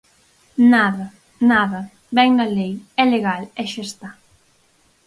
Nada, nada, vén na lei, é legal, ¡e xa está!